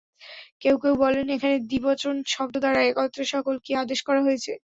কেউ কেউ বলেন, এখানে দ্বিবচন শব্দ দ্বারা একত্রে সকলকেই আদেশ করা হয়েছে।